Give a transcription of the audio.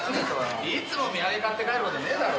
いつも土産買って帰る事ねえだろ。